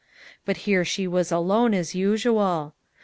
But here she was alone, as usual.